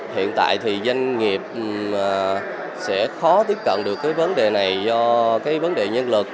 hiện tại thì doanh nghiệp sẽ khó tiếp cận được cái vấn đề này do cái vấn đề nhân lực